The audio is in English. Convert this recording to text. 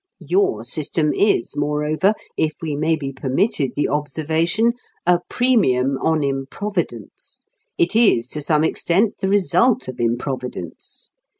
Your system is, moreover, if we may be permitted the observation, a premium on improvidence; it is, to some extent, the result of improvidence.